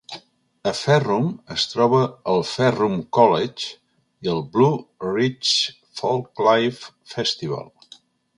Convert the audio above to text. A Ferrum es troba el Ferrum College i el Blue Ridge Folklife Festival.